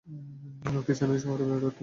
লক্ষ্মী চেন্নাই শহরে বেড়ে ওঠেন।